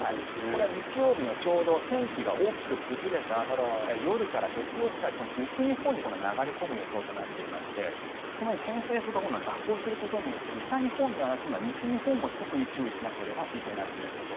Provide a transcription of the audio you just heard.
これは日曜日のちょうど天気の崩れた辺り夜から月曜日にかけて今度、西日本に流れ込む予想となっていましてこのように偏西風が蛇行することによって北日本だけではなく今度は西日本も特に注意しなければいけないということ。